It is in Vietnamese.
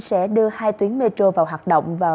sẽ đưa hai tuyến metro vào hoạt động